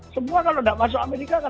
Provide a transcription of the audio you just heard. semua kalau nggak masuk amerika kan amerika